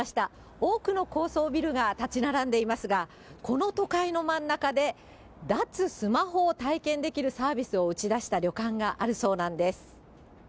多くの高層ビルが建ち並んでいますが、この都会の真ん中で、脱スマホを体験できるサービスを打ち出した旅館があるそうなんです。